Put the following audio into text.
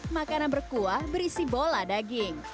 makanan berkuah berisi bola daging